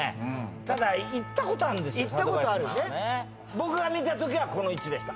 僕が見たときはこの位置でした。